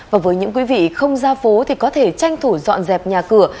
và với những quý vị không ra phố thì có thể tranh thủ dọn dẹp nhà cửa